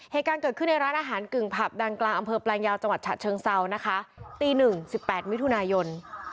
เหตุการณ์เกิดขึ้นในร้านอาหารกึ่งผับดังกลางอำเภอแปลงยาวจังหวัดฉะเชิงเซานะคะตีหนึ่งสิบแปดมิถุนายน